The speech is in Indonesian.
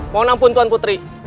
mohon ampun tuan putri